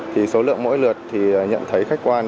thì số lượng mỗi lượt thì nhận thấy khách quan